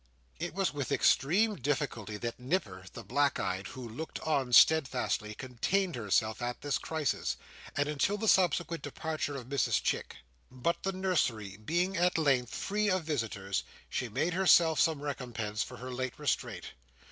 It was with extreme difficulty that Nipper, the black eyed, who looked on steadfastly, contained herself at this crisis, and until the subsequent departure of Mrs Chick. But the nursery being at length free of visitors, she made herself some recompense for her late restraint.